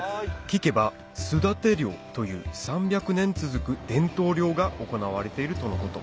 聞けばという３００年続く伝統漁が行われているとのこと